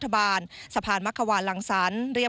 ว่าทำไมไม่กล่วงนี่